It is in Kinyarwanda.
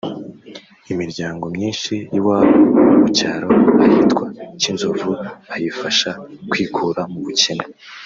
Imiryango myinshi y’iwabo mu cyaro ahitwa Cyinzovu ayifasha kwikura mu bukene